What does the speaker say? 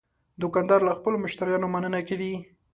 دوکاندار له خپلو مشتریانو مننه کوي.